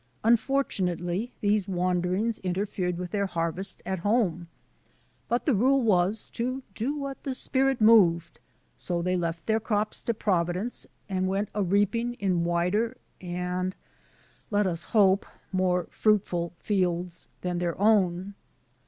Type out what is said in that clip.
Unfortunately, these wanderings interfered with their harvest at home; but the rule was to do what the spirit moved, so they left their crops to Providence and went a reaping in wider and, let us hope, more fruitful fields than their own.